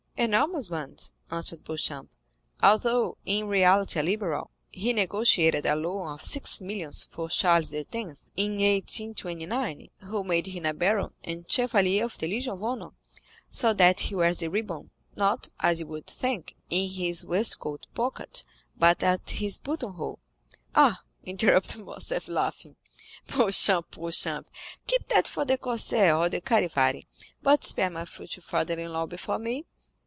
"Enormous ones," answered Beauchamp. "Although in reality a Liberal, he negotiated a loan of six millions for Charles X., in 1829, who made him a baron and chevalier of the Legion of Honor; so that he wears the ribbon, not, as you would think, in his waistcoat pocket, but at his button hole." "Ah," interrupted Morcerf, laughing, "Beauchamp, Beauchamp, keep that for the Corsaire or the Charivari, but spare my future father in law before me."